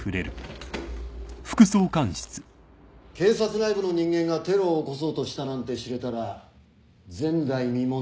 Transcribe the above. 警察内部の人間がテロを起こそうとしたなんて知れたら前代未聞の不祥事だ。